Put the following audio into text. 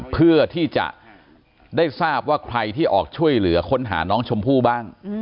เพื่อที่จะได้ทราบว่าใครที่ออกช่วยเหลือค้นหาน้องชมพู่บ้าง